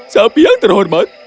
sapi yang terhormat